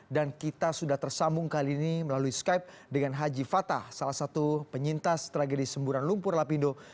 dan kita sudah tersambung kali ini melalui skype dengan haji fathah salah satu penyintas tragedi semburan lumpur lapindo